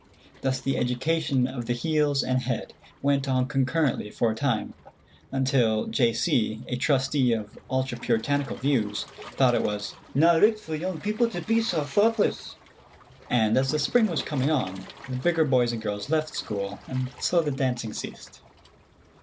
Thus the education of the heels and head went on concurrently for a time, until J. C., a trustee of ultra Puritanical views, thought it was "na richt for young people to be sae thochtless," and as the spring was coming on, the bigger boys and girls left school, and so the dancing ceased.